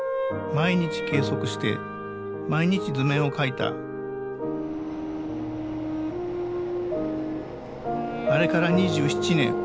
毎日計測して毎日図面を描いたあれから２７年